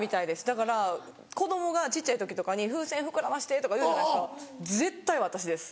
だから子供が小っちゃい時とかに「風船膨らまして」とか言うじゃないですか絶対私です。